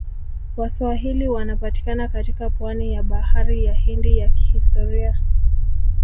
Waswahili wanapatikana katika pwani ya bahari ya Hindi ya kihistoria